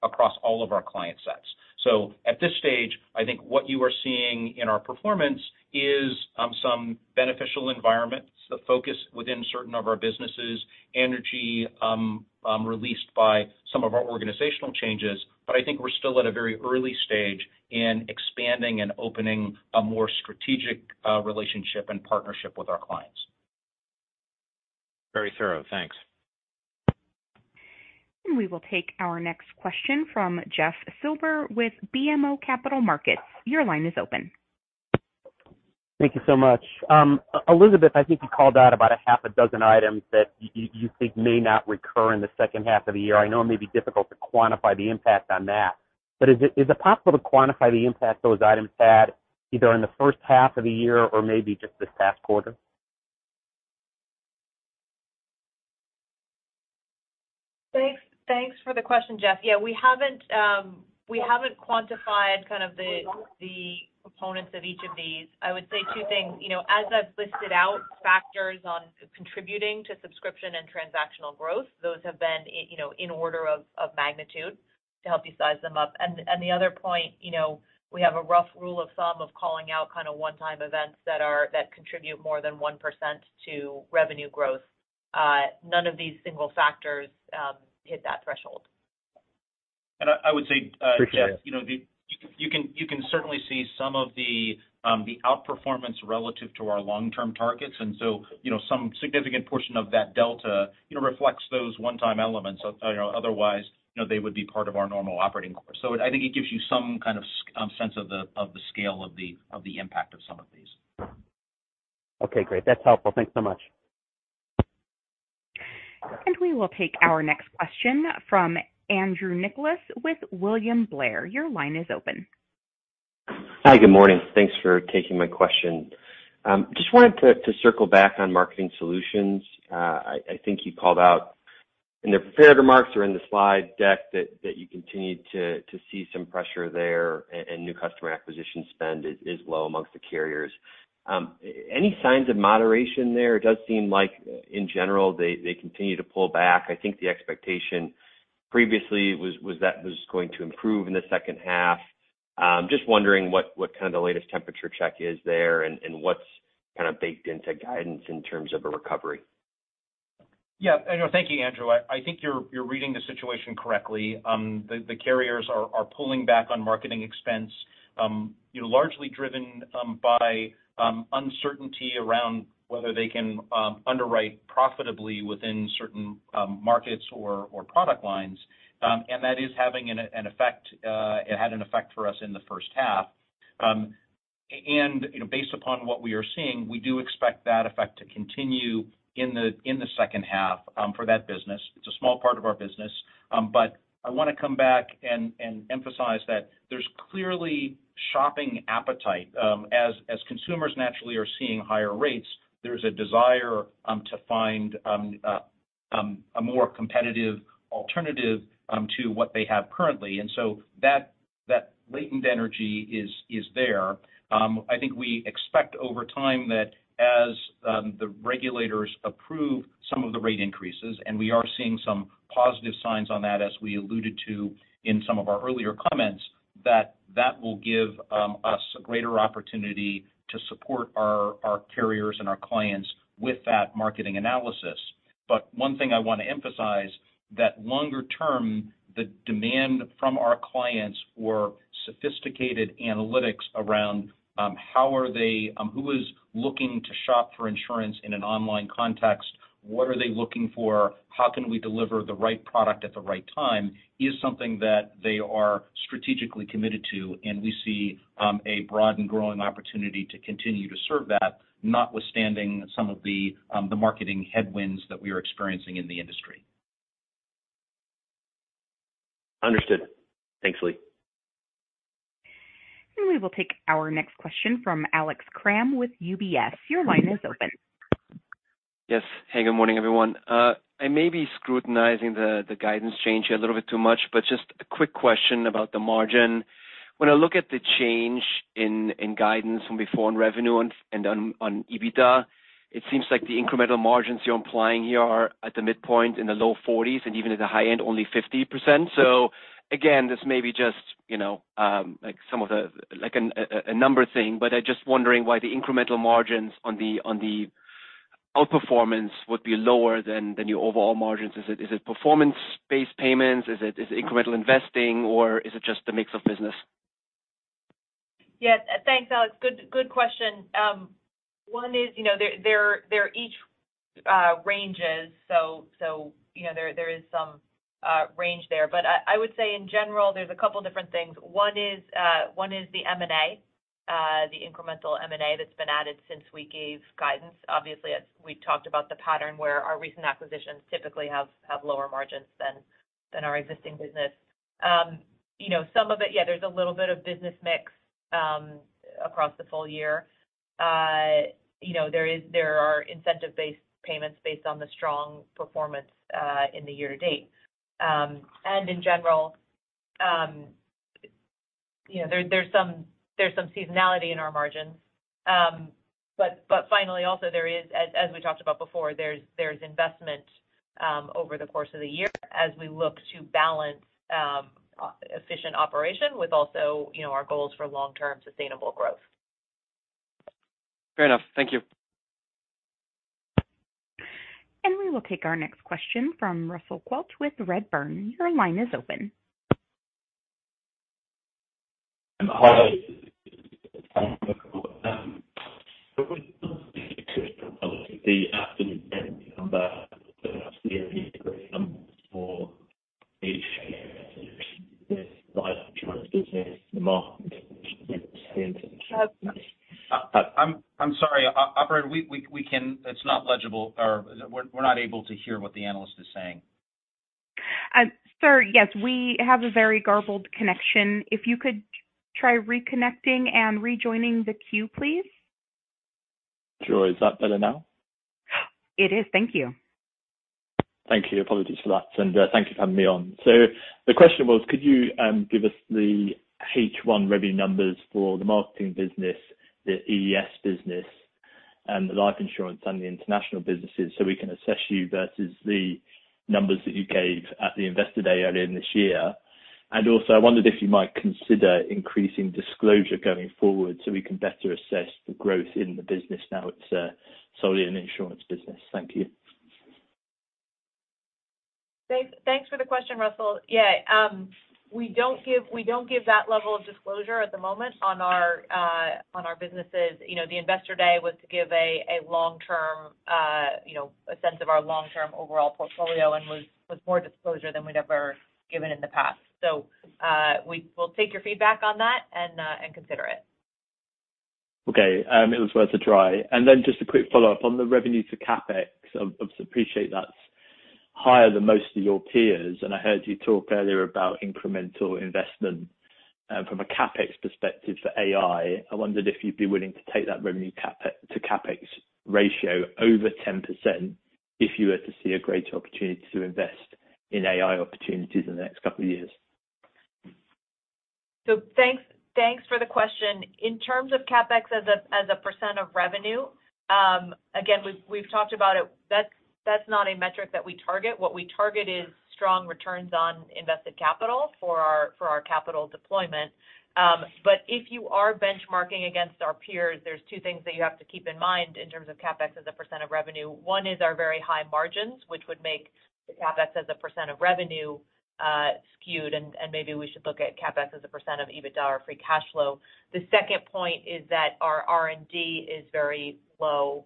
[SPEAKER 3] across all of our client sets. At this stage, I think what you are seeing in our performance is some beneficial environments, the focus within certain of our businesses, energy released by some of our organizational changes. I think we're still at a very early stage in expanding and opening a more strategic relationship and partnership with our clients.
[SPEAKER 11] Very thorough. Thanks.
[SPEAKER 1] We will take our next question from Jeffrey Silber with BMO Capital Markets. Your line is open.
[SPEAKER 12] Thank you so much. Elizabeth, I think you called out about 6 items that you think may not recur in the second half of the year. I know it may be difficult to quantify the impact on that, but is it, is it possible to quantify the impact those items had, either in the first half of the year or maybe just this past quarter?
[SPEAKER 4] Thanks, thanks for the question, Jeff. Yeah, we haven't, we haven't quantified kind of the, the components of each of these. I would say two things. You know, as I've listed out factors on contributing to subscription and transactional growth, those have been, you know, in order of, of magnitude to help you size them up. The other point, you know, we have a rough rule of thumb of calling out kind of one-time events that contribute more than 1% to revenue growth. None of these single factors hit that threshold.
[SPEAKER 3] I, I would say...
[SPEAKER 12] Appreciate it.
[SPEAKER 3] Jeff, you know, the, you can, you can certainly see some of the, the outperformance relative to our long-term targets. You know, some significant portion of that delta, you know, reflects those one-time elements, you know, otherwise, you know, they would be part of our normal operating course. I think it gives you some kind of sense of the, of the scale of the, of the impact of some of these.
[SPEAKER 12] Okay, great. That's helpful. Thanks so much.
[SPEAKER 1] We will take our next question from Andrew Nicholas with William Blair. Your line is open.
[SPEAKER 13] Hi, good morning. Thanks for taking my question. Just wanted to, to circle back on Marketing Solutions. I, I think you called out in the prepared remarks or in the slide deck that, that you continued to, to see some pressure there, and, and new customer acquisition spend is, is low amongst the carriers. Any signs of moderation there? It does seem like, in general, they, they continue to pull back. I think the expectation previously was, was that was going to improve in the second half. Just wondering what, what kind of the latest temperature check is there and, and what's kind of baked into guidance in terms of a recovery?
[SPEAKER 3] Yeah. No, thank you, Andrew. I, I think you're, you're reading the situation correctly. The, the carriers are, are pulling back on marketing expense, you know, largely driven by uncertainty around whether they can underwrite profitably within certain markets or, or product lines. That is having an, an effect, it had an effect for us in the first half. You know, based upon what we are seeing, we do expect that effect to continue in the, in the second half for that business. It's a small part of our business. I want to come back and, and emphasize that there's clearly shopping appetite. As, as consumers naturally are seeing higher rates, there's a desire to find a more competitive alternative to what they have currently. That, that latent energy is, is there. I think we expect over time that as the regulators approve some of the rate increases, and we are seeing some positive signs on that, as we alluded to in some of our earlier comments, that that will give us a greater opportunity to support our, our carriers and our clients with that marketing analysis. One thing I want to emphasize, that longer term, the demand from our clients for sophisticated analytics around how are they... Who is looking to shop for insurance in an online context? What are they looking for? How can we deliver the right product at the right time? Is something that they are strategically committed to, and we see, a broad and growing opportunity to continue to serve that, notwithstanding some of the, the marketing headwinds that we are experiencing in the industry.
[SPEAKER 13] Understood. Thanks, Lee.
[SPEAKER 1] We will take our next question from Alex Kramm with UBS. Your line is open.
[SPEAKER 14] Yes. Hey, good morning, everyone. I may be scrutinizing the, the guidance change a little bit too much, but just a quick question about the margin. When I look at the change in, in guidance from before on revenue and, and on, on EBITDA, it seems like the incremental margins you're implying here are at the midpoint in the low 40s, and even at the high end, only 50%. Again, this may be just, you know, like, some of the, like, a number thing, but I'm just wondering why the incremental margins on the, on the outperformance would be lower than, than your overall margins. Is it, is it performance-based payments? Is it, is it incremental investing, or is it just a mix of business?
[SPEAKER 4] Yes. Thanks, Alex. Good, good question. One is, you know, they're, they're each ranges, so, so, you know, there, there is some range there. I, I would say in general, there's a couple different things. One is, one is the M&A, the incremental M&A that's been added since we gave guidance. Obviously, as we talked about the pattern where our recent acquisitions typically have, have lower margins than, than our existing business. You know, some of it, yeah, there's a little bit of business mix across the full year. You know, there are incentive-based payments based on the strong performance in the year to date. In general, you know, there's, there's some, there's some seasonality in our margins. But finally, also, there is, as, as we talked about before, there's, there's investment, over the course of the year as we look to balance, efficient operation with also, you know, our goals for long-term sustainable growth.
[SPEAKER 14] Fair enough. Thank you.
[SPEAKER 1] We will take our next question from Russell Quelch with Redburn. Your line is open.
[SPEAKER 15] Hi.
[SPEAKER 3] I'm, I'm sorry, o-operator, we, we, we can. It's not legible or we're, we're not able to hear what the analyst is saying.
[SPEAKER 1] Sir, yes, we have a very garbled connection. If you could try reconnecting and rejoining the queue, please.
[SPEAKER 15] Sure. Is that better now?
[SPEAKER 1] It is. Thank you.
[SPEAKER 15] Thank you. Apologies for that, and thank you for having me on. The question was, could you give us the H1 revenue numbers for the marketing business, the EES business, and the life insurance and the international businesses, so we can assess you versus the numbers that you gave at the Investor Day earlier in this year? Also, I wondered if you might consider increasing disclosure going forward, so we can better assess the growth in the business now it's solely an insurance business. Thank you.
[SPEAKER 4] Thanks, thanks for the question, Russell. Yeah, we don't give, we don't give that level of disclosure at the moment on our on our businesses. You know, the Investor Day was to give a long-term, you know, a sense of our long-term overall portfolio and was, was more disclosure than we'd ever given in the past. We will take your feedback on that and consider it.
[SPEAKER 16] Okay, it was worth a try. Just a quick follow-up. On the revenue to CapEx, I obviously appreciate that's higher than most of your peers, and I heard you talk earlier about incremental investment from a CapEx perspective for AI. I wondered if you'd be willing to take that revenue CapEx, to CapEx ratio over 10% if you were to see a greater opportunity to invest in AI opportunities in the next couple of years.
[SPEAKER 4] Thanks, thanks for the question. In terms of CapEx as a, as a % of revenue, again, we've, we've talked about it. That's, that's not a metric that we target. What we target is strong returns on invested capital for our, for our capital deployment. If you are benchmarking against our peers, there's 2 things that you have to keep in mind in terms of CapEx as a % of revenue. 1 is our very high margins, which would make the CapEx as a % of revenue skewed, and, and maybe we should look at CapEx as a % of EBITDA or free cash flow. The second point is that our R&D is very low,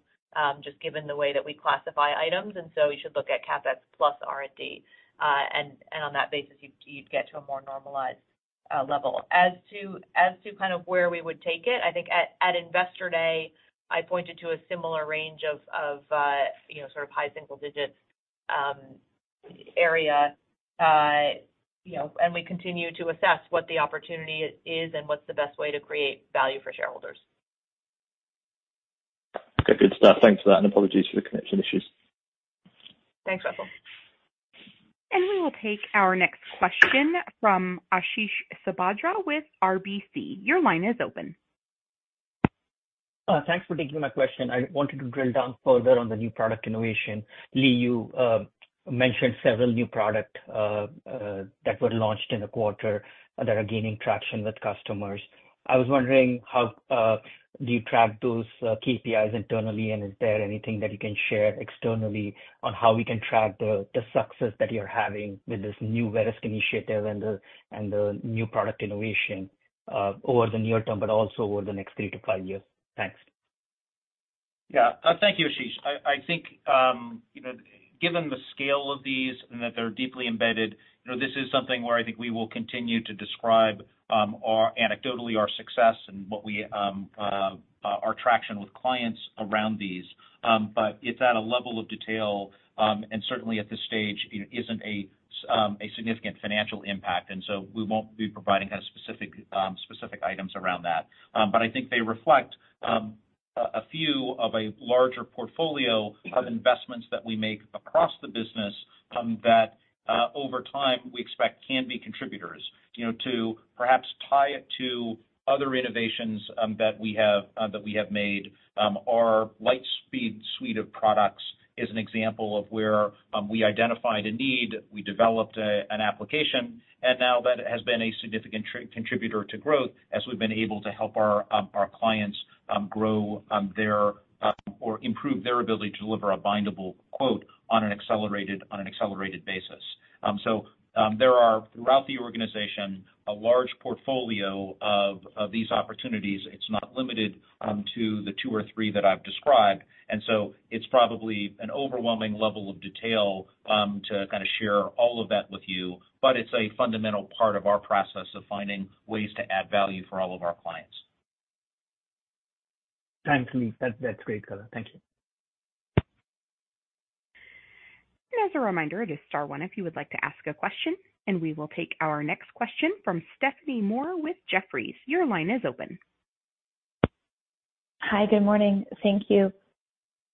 [SPEAKER 4] just given the way that we classify items, and so you should look at CapEx plus R&D, and, and on that basis, you'd, you'd get to a more normalized level. As to, as to kind of where we would take it, I think at, at Investor Day, I pointed to a similar range of, of, you know, sort of high single digits, area, you know, and we continue to assess what the opportunity is and what's the best way to create value for shareholders.
[SPEAKER 15] Okay, good stuff. Thanks for that, and apologies for the connection issues.
[SPEAKER 4] Thanks, Russell.
[SPEAKER 1] We will take our next question from Ashish Sabadra with RBC. Your line is open.
[SPEAKER 17] Thanks for taking my question. I wanted to drill down further on the new product innovation. Lee, you mentioned several new product that were launched in the quarter that are gaining traction with customers. I was wondering, how do you track those KPIs internally, and is there anything that you can share externally on how we can track the success that you're having with this new risk initiative and the new product innovation over the near term, but also over the next 3 to 5 years? Thanks.
[SPEAKER 3] Yeah. Thank you, Ashish. I, I think, you know, given the scale of these and that they're deeply embedded, you know, this is something where I think we will continue to describe, our anecdotally, our success and what we, our traction with clients around these. It's at a level of detail, and certainly at this stage, it isn't a significant financial impact, and so we won't be providing kind of specific, specific items around that. I think they reflect, a few of a larger portfolio of investments that we make across the business, that, over time, we expect can be contributors. You know, to perhaps tie it to other innovations that we have, that we have made, our LightSpeed suite of products is an example of where we identified a need, we developed a, an application, and now that has been a significant contributor to growth as we've been able to help our clients grow their or improve their ability to deliver a bindable quote on an accelerated, on an accelerated basis. There are, throughout the organization, a large portfolio of these opportunities. It's not limited to the two or three that I've described, and so it's probably an overwhelming level of detail to kind of share all of that with you, but it's a fundamental part of our process of finding ways to add value for all of our clients.
[SPEAKER 17] Thanks, Lee. That's, that's great color. Thank you.
[SPEAKER 1] As a reminder, it is star one if you would like to ask a question. We will take our next question from Stephanie Moore with Jefferies. Your line is open.
[SPEAKER 18] Hi, good morning. Thank you.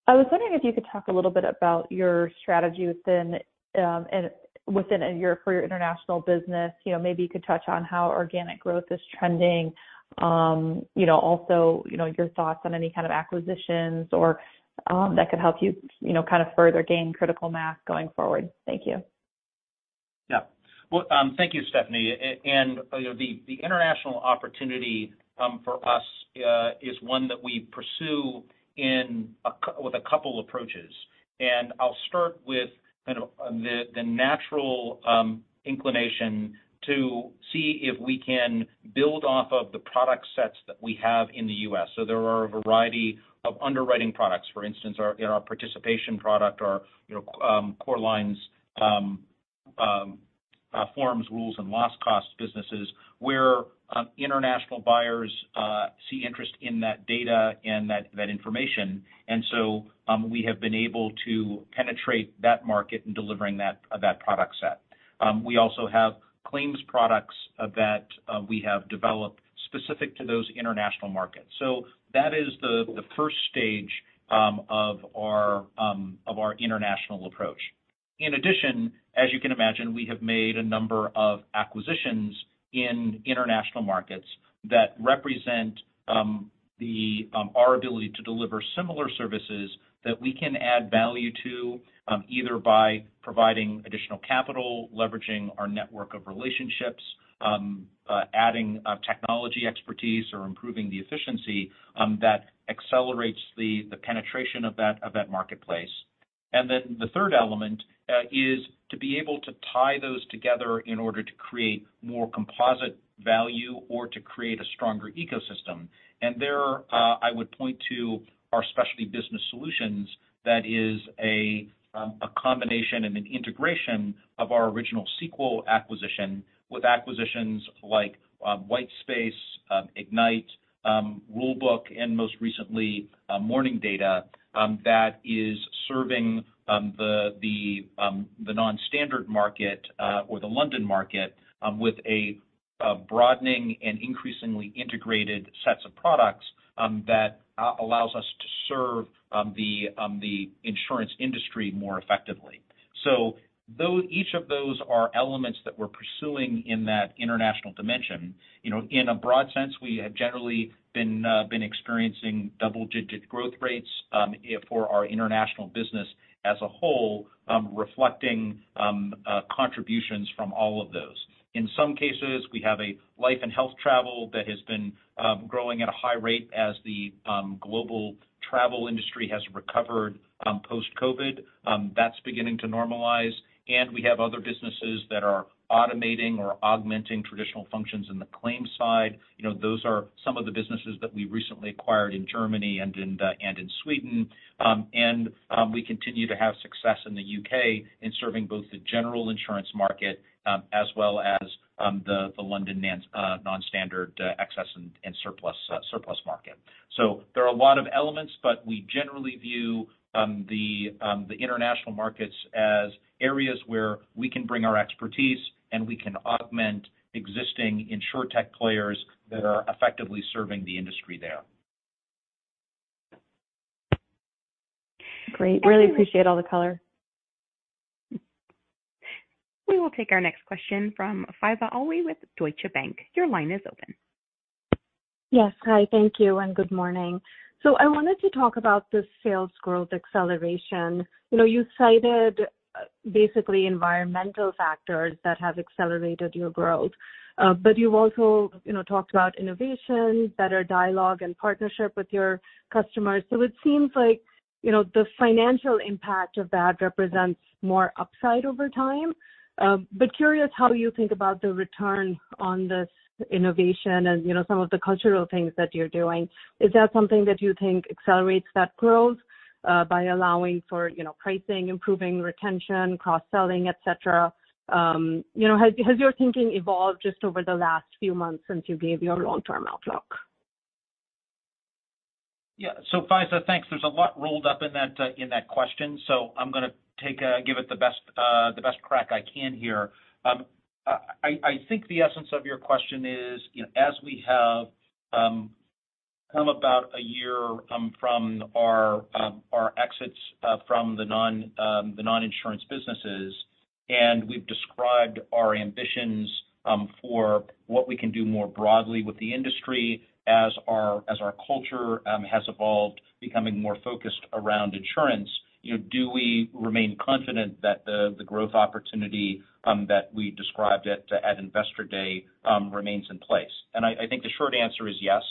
[SPEAKER 18] I was wondering if you could talk a little bit about your strategy within, and within your for your international business. You know, maybe you could touch on how organic growth is trending. You know, also, you know, your thoughts on any kind of acquisitions or, that could help you, you know, kind of further gain critical mass going forward. Thank you.
[SPEAKER 3] Yeah. Well, thank you, Stephanie. You know, the international opportunity for us is one that we pursue with a couple approaches. I'll start with kind of the natural inclination to see if we can build off of the product sets that we have in the US. There are a variety of underwriting products. For instance, our, you know, our participation product or, you know, core lines, Forms, Rules, and Loss Costs businesses, where international buyers see interest in that data and that, that information. We have been able to penetrate that market in delivering that, that product set. We also have claims products that we have developed specific to those international markets. That is the, the first stage of our of our international approach. In addition, as you can imagine, we have made a number of acquisitions in international markets that represent the our ability to deliver similar services that we can add value to either by providing additional capital, leveraging our network of relationships, adding technology expertise, or improving the efficiency that accelerates the penetration of that of that marketplace. The third element is to be able to tie those together in order to create more composite value or to create a stronger ecosystem. I would point to our Specialty Business Solutions. That is a combination and an integration of our original Sequel acquisition, with acquisitions like Whitespace-... Ignite, Rulebook, and most recently, Morning Data, that is serving the, the, the non-standard market, or the London market, with a broadening and increasingly integrated sets of products, that allows us to serve the insurance industry more effectively. Though each of those are elements that we're pursuing in that international dimension, you know, in a broad sense, we have generally been experiencing double-digit growth rates for our international business as a whole, reflecting contributions from all of those. In some cases, we have a Life, Health, and Travel that has been growing at a high rate as the global travel industry has recovered post-COVID. That's beginning to normalize, and we have other businesses that are automating or augmenting traditional functions in the claims side. You know, those are some of the businesses that we recently acquired in Germany and in the, and in Sweden. We continue to have success in the UK in serving both the general insurance market, as well as, the, the London nans- non-standard, excess and, and surplus, surplus market. There are a lot of elements, but we generally view, the, the international markets as areas where we can bring our expertise, and we can augment existing Insurtech players that are effectively serving the industry there.
[SPEAKER 18] Great. Really appreciate all the color.
[SPEAKER 1] We will take our next question from Faiza Alwy with Deutsche Bank. Your line is open.
[SPEAKER 19] Yes. Hi, thank you, and good morning. I wanted to talk about the sales growth acceleration. You know, you cited, basically, environmental factors that have accelerated your growth. But you've also, you know, talked about innovation, better dialogue, and partnership with your customers. It seems like, you know, the financial impact of that represents more upside over time. But curious how you think about the return on this innovation and, you know, some of the cultural things that you're doing. Is that something that you think accelerates that growth by allowing for, you know, pricing, improving retention, cross-selling, et cetera? You know, has, has your thinking evolved just over the last few months since you gave your long-term outlook?
[SPEAKER 3] Yeah. Faiza, thanks. There's a lot rolled up in that, in that question, so I'm gonna take a... give it the best, the best crack I can here. I, I think the essence of your question is, you know, as we have come about a year from our, our exits from the non, the non-insurance businesses, and we've described our ambitions for what we can do more broadly with the industry as our, as our culture has evolved, becoming more focused around insurance, you know, do we remain confident that the, the growth opportunity that we described at Investor Day remains in place? I, I think the short answer is yes.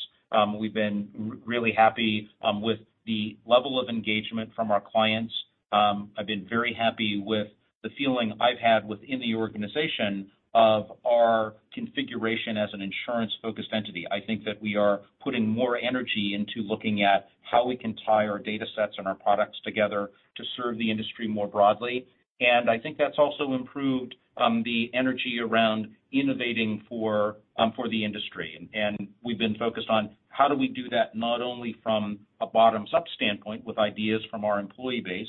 [SPEAKER 3] We've been r-really happy with the level of engagement from our clients. I've been very happy with the feeling I've had within the organization of our configuration as an insurance-focused entity. I think that we are putting more energy into looking at how we can tie our datasets and our products together to serve the industry more broadly. I think that's also improved the energy around innovating for the industry. We've been focused on how do we do that, not only from a bottom-up standpoint, with ideas from our employee base,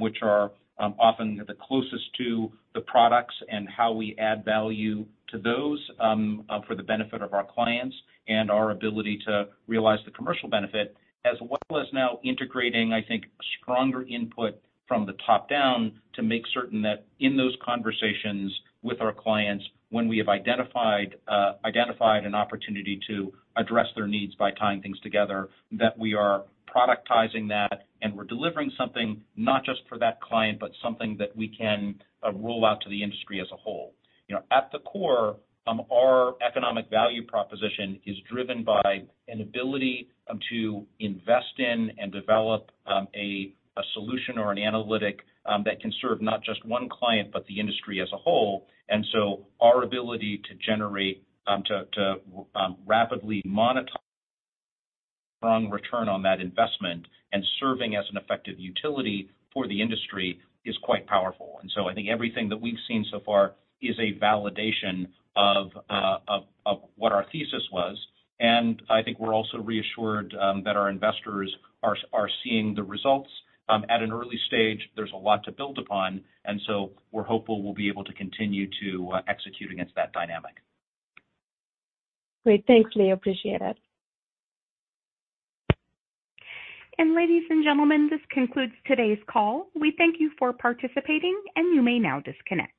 [SPEAKER 3] which are often the closest to the products and how we add value to those, for the benefit of our clients and our ability to realize the commercial benefit, as well as now integrating, I think, stronger input from the top down, to make certain that in those conversations with our clients, when we have identified an opportunity to address their needs by tying things together, that we are productizing that, and we're delivering something not just for that client, but something that we can roll out to the industry as a whole. You know, at the core, our economic value proposition is driven by an ability to invest in and develop a solution or an analytic that can serve not just one client, but the industry as a whole. Our ability to generate to rapidly monetize strong return on that investment and serving as an effective utility for the industry is quite powerful. I think everything that we've seen so far is a validation of what our thesis was, and I think we're also reassured that our investors are seeing the results at an early stage. There's a lot to build upon, we're hopeful we'll be able to continue to execute against that dynamic.
[SPEAKER 19] Great. Thanks, Lee. Appreciate it.
[SPEAKER 1] ladies and gentlemen, this concludes today's call. We thank you for participating, and you may now disconnect.